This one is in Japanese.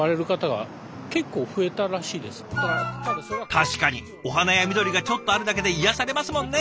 確かにお花や緑がちょっとあるだけで癒やされますもんね。